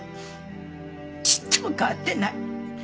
ちっとも変わってない。